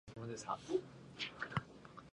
ヴェストマンランド県の県都はヴェステロースである